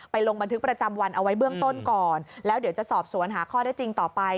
ลงบันทึกประจำวันเอาไว้เบื้องต้นก่อนแล้วเดี๋ยวจะสอบสวนหาข้อได้จริงต่อไป